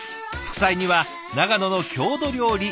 副菜には長野の郷土料理